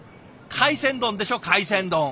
海鮮丼でしょ海鮮丼。